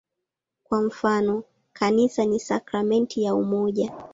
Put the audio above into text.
Kwa mfano, "Kanisa ni sakramenti ya umoja".